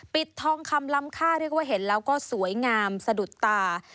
ทองคำล้ำค่าเรียกว่าเห็นแล้วก็สวยงามสะดุดตา